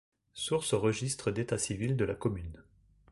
Sources registre d'état-civil de la commune.